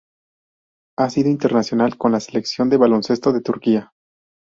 Ha sido internacional con la Selección de baloncesto de Turquía.